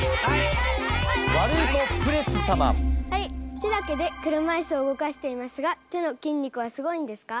手だけで車いすを動かしていますが手の筋肉はすごいんですか？